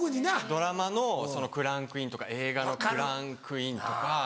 ドラマのクランクインとか映画のクランクインとか。